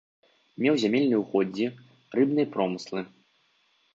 Меў зямельныя ўгоддзі, рыбныя промыслы.